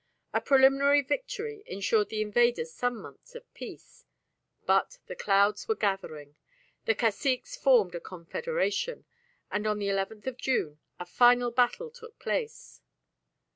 A preliminary victory ensured the invaders some months of peace. But the clouds were gathering: the caciques formed a confederation, and on the 11th of June a final battle took place.